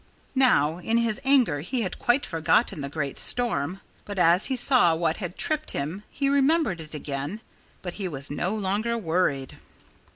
Now, in his anger he had quite forgotten the great storm. But as he saw what had tripped him he remembered it again. But he was no longer worried.